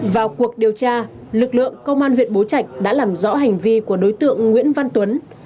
vào cuộc điều tra lực lượng công an huyện bố trạch đã làm rõ hành vi của đối tượng nguyễn văn tuấn